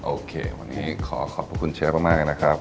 โอเควันนี้ขอขอบคุณเชฟมากนะครับ